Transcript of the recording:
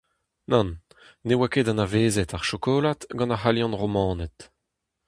Nann, ne oa ket anavezet ar chokolad gant ar C'halianromaned.